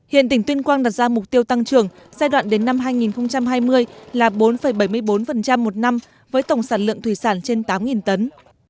hiện tỉnh tuyên quang đặt ra mục tiêu tăng trưởng giai đoạn đến năm hai nghìn hai mươi là bốn bảy mươi bốn một năm với tổng sản lượng thủy sản trên tám tấn